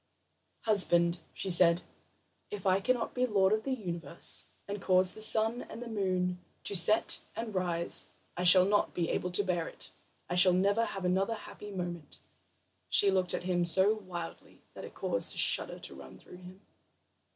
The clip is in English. "Husband," she said, "if I cannot be lord of the universe, and cause the sun and moon to set and rise, I shall not be able to bear it. I shall never have another happy moment." She looked at him so wildly that it caused a shudder to run through him.